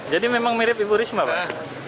jadi memang mirip ibu risma pak